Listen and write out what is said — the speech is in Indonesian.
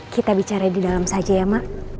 kita bicara di dalam saja ya mak